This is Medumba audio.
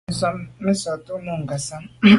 Me tsha’t’o me Ngasam.